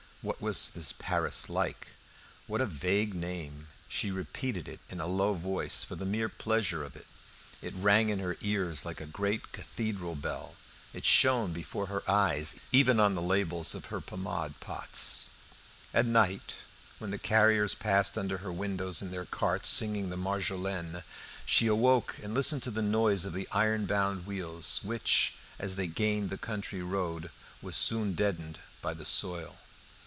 What was this Paris like? What a vague name! She repeated it in a low voice, for the mere pleasure of it; it rang in her ears like a great cathedral bell; it shone before her eyes, even on the labels of her pomade pots. At night, when the carriers passed under her windows in their carts singing the "Marjolaine," she awoke, and listened to the noise of the iron bound wheels, which, as they gained the country road, was soon deadened by the soil.